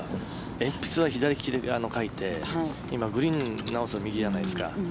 鉛筆は左利きで書いて今、グリーンを直すのは右じゃないですか。